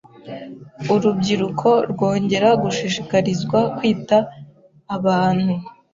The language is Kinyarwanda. urubyiruko rwongera gushishikarizwa kwita abantu